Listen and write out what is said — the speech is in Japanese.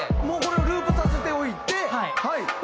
もうこれをループさせておいてはいはい。